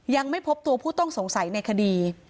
ยังไม่พบตัวผู้ต้องสงสัยในคดี